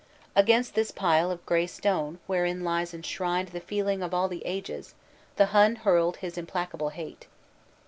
Against this pile of gray stone wherein lies enshrined the feeling of all the ages the Hun hurled his implacable hate.